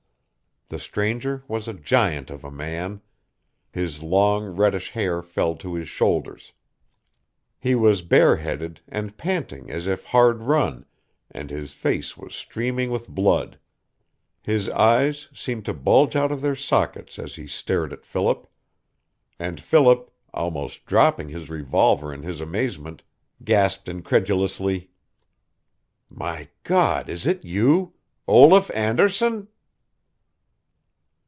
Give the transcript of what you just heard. The stranger was a giant of a man. His long, reddish hair fell to his shoulders. He was bare headed, and panting as if hard run, and his face was streaming with blood. His eyes seemed to bulge out of their sockets as he stared at Philip. And Philip, almost dropping his revolver in his amazement, gasped incredulously: "My God, is it you Olaf Anderson!"